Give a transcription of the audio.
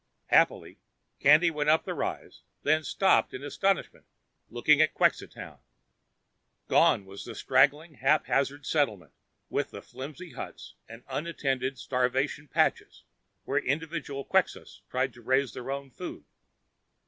Happily, Candy went up the rise, then stopped in astonishment, looking at Quxa town. Gone was the straggling, haphazard settlement, with the flimsy huts and untended starvation patches where individual Quxas tried to raise their own food.